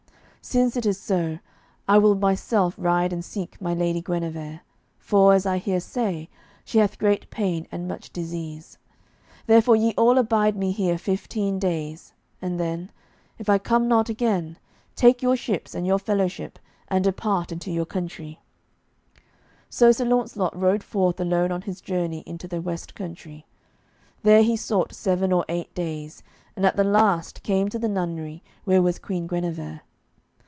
Since it is so, I will myself ride and seek my lady Queen Guenever, for, as I hear say, she hath great pain and much disease. Therefore ye all abide me here fifteen days, and then, if I come not again, take your ships and your fellowship, and depart into your country." So Sir Launcelot rode forth alone on his journey into the west country. There he sought seven or eight days, and at the last came to the nunnery where was Queen Guenever.